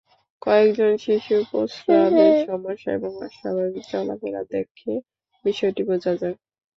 কয়েকজন শিশুর প্রস্রাবের সমস্যা এবং অস্বাভাবিক চলাফেরা দেখে বিষয়টি বোঝা যায়।